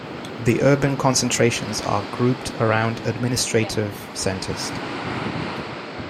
The urban concentrations are grouped around administrative centers.